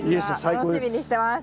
楽しみにしてます。